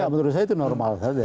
ya menurut saya itu normal saja